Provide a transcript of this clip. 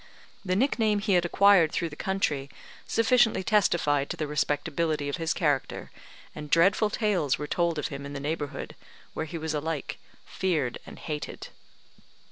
The nickname he had acquired through the country sufficiently testified to the respectability of his character, and dreadful tales were told of him in the neighbourhood, where he was alike feared and hated.